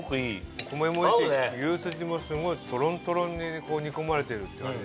お米もいいし牛すじもすごいトロントロンに煮込まれてるって感じ。